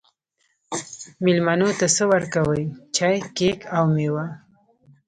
میلمنو ته څه ورکوئ؟ چای، کیک او میوه